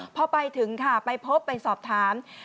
พอไปถึงค่ะไปพบไปสอบถาม